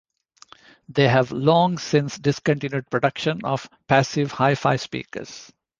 They have long since discontinued production of passive hi-fi speakers.